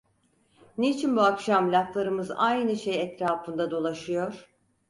Niçin bu akşam laflarımız aynı şey etrafında dolaşıyor?